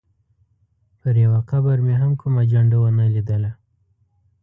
پر یوه قبر مې هم کومه جنډه ونه لیدله.